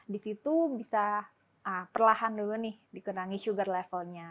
di situ bisa perlahan dulu nih dikurangi sugar levelnya